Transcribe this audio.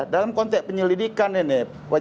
dalam konteks penyelidikan ini